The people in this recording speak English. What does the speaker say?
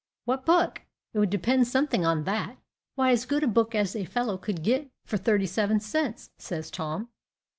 "What book? It would depend something on that." "Why, as good a book as a fellow could get for thirty seven cents," says Tom.